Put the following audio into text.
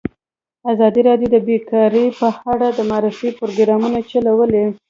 ازادي راډیو د بیکاري په اړه د معارفې پروګرامونه چلولي.